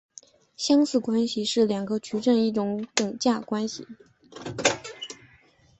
相似关系是两个矩阵之间的一种等价关系。